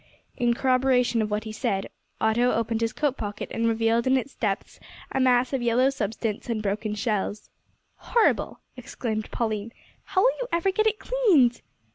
In corroboration of what he said, Otto opened his coat pocket and revealed in its depths a mass of yellow substance, and broken shells. "Horrible!" exclaimed Pauline; "how will you ever get it cleaned?"